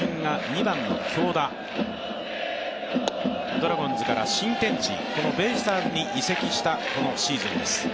ドラゴンズから新天地、ベイスターズに移籍したシーズンの京田です。